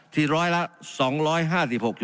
ที่ร้อยละ๒๕๖๒